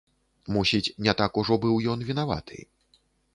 Мусіць, не так ужо быў ён вінаваты.